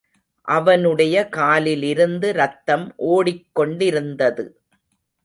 அவனுடைய காலிலிருந்து ரத்தம் ஓடிக்கொண்டிருந்தது.